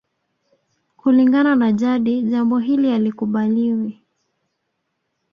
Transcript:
Kulingana na jadi jambo hili halikubaliwi